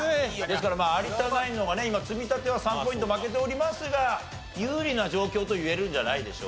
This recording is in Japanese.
ですから有田ナインの方がね今積み立ては３ポイント負けておりますが有利な状況といえるんじゃないでしょうか。